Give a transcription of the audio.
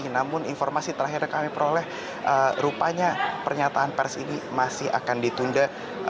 namun informasi terakhir yang kami peroleh rupanya pernyataan pers ini masih akan ditunda